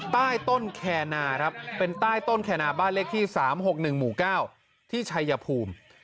ใต้ต้นแคนาครับเป็นใต้ต้นแคนาบ้านเลขที่๓๖๑หมู่๙ที่ชัยภูมิ